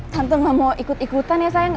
tante gak mau ikut ikutan ya sayang